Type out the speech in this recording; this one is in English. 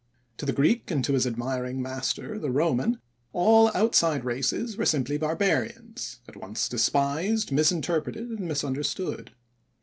To the Greek and to his admiring master, the Roman, all outside races were simply barbarians, at once despised, misinterpreted, and misunderstood.